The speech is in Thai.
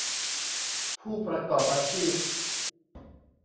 ผู้ประกอบอาชีพ